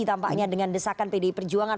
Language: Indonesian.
tampaknya dengan desakan pdi perjuangan